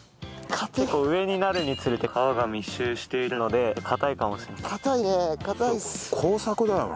結構上になるにつれて皮が密集しているのでかたいかもしれません。